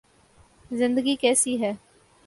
زندگی کیسی ہے